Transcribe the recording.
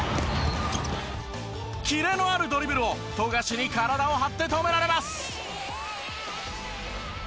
キレのあるドリブルを富樫に体を張って止められます。